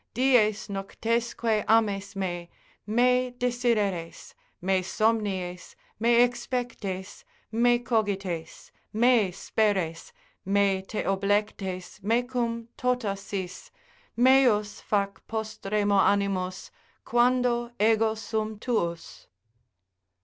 Dies noctesque ames me, me desideres, Me somnies, me expectes, me cogites, Me speres, me te oblectes, mecum tota sis, Meus fac postremo animus, quando ego sum tuus.